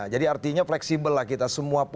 jadi artinya fleksibel lah kita semua